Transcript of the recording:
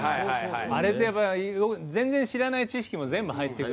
あれで全然知らない知識も全部入ってくるから。